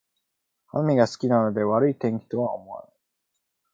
雨が好きなので悪い天気とは思わない